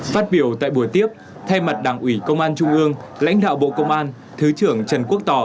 phát biểu tại buổi tiếp thay mặt đảng ủy công an trung ương lãnh đạo bộ công an thứ trưởng trần quốc tỏ